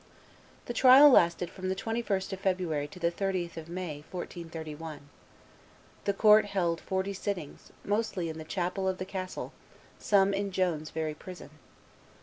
The trial lasted from the 21st of February to the 30th of May, 1431. The court held forty sittings, mostly in the chapel of the castle, some in Joan's very prison.